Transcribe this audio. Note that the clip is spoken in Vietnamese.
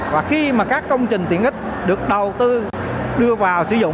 và khi mà các công trình tiện ích được đầu tư đưa vào sử dụng